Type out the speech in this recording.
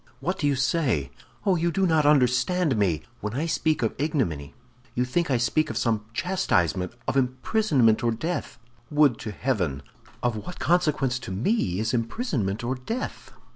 "What do you say? Oh, you do not understand me! When I speak of ignominy, you think I speak of some chastisement, of imprisonment or death. Would to heaven! Of what consequence to me is imprisonment or death?"